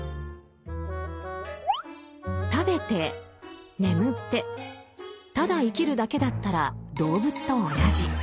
食べて眠ってただ生きるだけだったら動物と同じ。